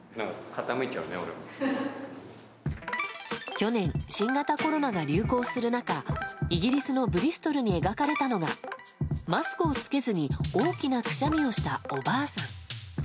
去年、新型コロナが流行する中イギリスのブリストルに描かれたのがマスクを着けずに大きなくしゃみをしたおばあさん。